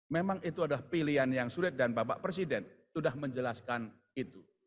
memang itu adalah pilihan yang sulit dan bapak presiden sudah menjelaskan itu